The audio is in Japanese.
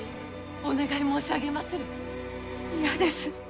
お願い申し上げまする！